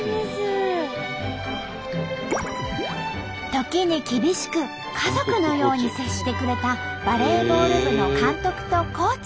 時に厳しく家族のように接してくれたバレーボール部の監督とコーチ。